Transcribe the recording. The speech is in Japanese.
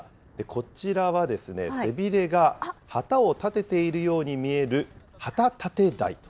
こちらは、背びれが旗を立てているように見える、ハタタテダイ。